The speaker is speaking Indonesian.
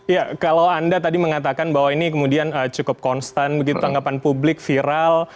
ya kalau anda tadi mengatakan bahwa ini kemudian cukup konstan begitu anggapan publik viral